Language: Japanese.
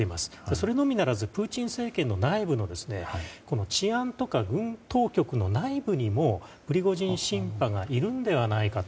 それにみならずプーチン政権内部の治安とか軍当局の内部にもプリゴジンのシンパがいるのではないかと。